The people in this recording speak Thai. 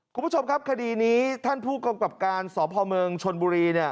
คุณผู้ชมครับคดีนี้ท่านผู้กรรมกรรมการสพเมิงชนบุรี